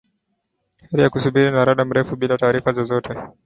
hali ya kusubiri kwa mda mrefu bila taarifa zozote